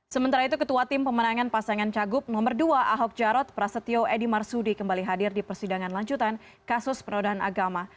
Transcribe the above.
sementara itu ketua tim pemenangan pasangan cagup nomor dua ahok jarot prasetyo edi marsudi kembali hadir di persidangan lanjutan kasus perodahan agama